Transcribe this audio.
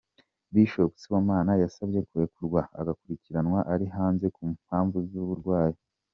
Bishop Sibomana yasabye kurekurwa agakurikiranwa ari hanze ku mpamvu z’ uburwayi.